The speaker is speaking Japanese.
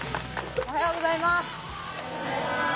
おはようございます。